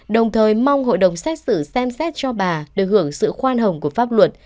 đồng thời mong hội đồng xét xử xem xét cho bà được hưởng sự khoan hồng của pháp luật